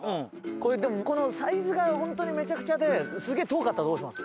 これでもこのサイズが本当にめちゃくちゃですげえ遠かったらどうします？